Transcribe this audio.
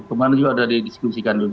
kemarin juga ada didiskusikan dulu